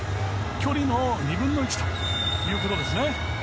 距離の２分の１ということです。